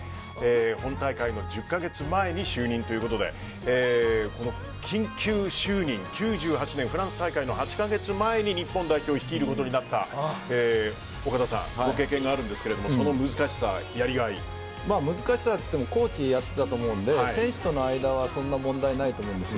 本大会の１０カ月前に就任ということで緊急就任９８年・フランス大会の８カ月前に日本代表を率いることになった岡田さんご経験があるんですが難しさはコーチやっていたと思うので選手との間は問題ないと思うんです。